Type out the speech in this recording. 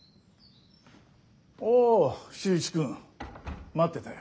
おお修一くん待ってたよ。